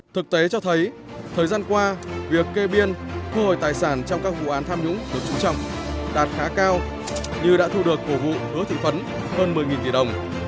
thực tế cho thấy thời gian qua việc kê biên thu hồi tài sản trong các vụ án tham nhũng được chú trọng đạt khá cao như đã thu được của vụ đỗ thị phấn hơn một mươi tỷ đồng